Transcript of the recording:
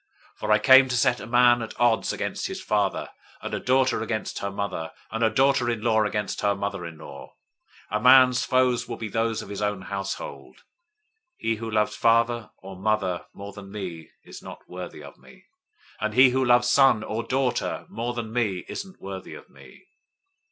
010:035 For I came to set a man at odds against his father, and a daughter against her mother, and a daughter in law against her mother in law. 010:036 A man's foes will be those of his own household.{Micah 7:6} 010:037 He who loves father or mother more than me is not worthy of me; and he who loves son or daughter more than me isn't worthy of me.